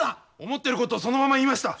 思ってることをそのまま言いました。